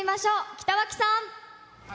北脇さん。